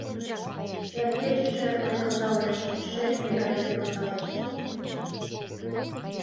Эр кечыже легылдалеш, шӧртньӧ гай легылдалеш.